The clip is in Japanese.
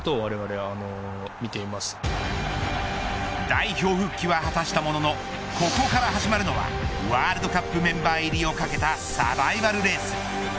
代表復帰は果たしたもののここから始まるのはワールドカップメンバー入りをかけたサバイバルレース。